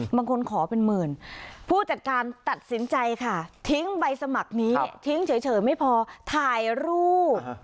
บางคนขอเป็นหมื่นผู้จัดการตัดสินใจค่ะทิ้งใบสมัครนี้ทิ้งเฉยไม่พอถ่ายรูป